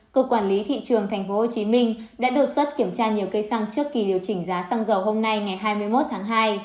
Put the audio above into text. cơ quan quản lý thị trường tp hcm đã đột xuất kiểm tra nhiều cây xăng trước kỳ điều chỉnh giá xăng dầu hôm nay ngày hai mươi một tháng hai